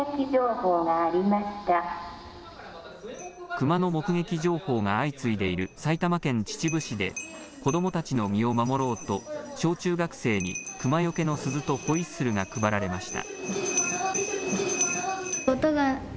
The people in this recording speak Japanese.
クマの目撃情報が相次いでいる埼玉県秩父市で子どもたちの身を守ろうと小中学生に熊よけの鈴とホイッスルが配られました。